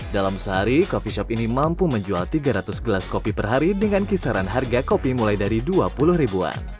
dalam sehari coffee shop ini mampu menjual tiga ratus gelas kopi per hari dengan kisaran harga kopi mulai dari dua puluh ribuan